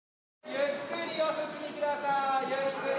ゆっくりお進み下さい。